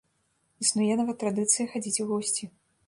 Існуе нават традыцыя хадзіць у госці.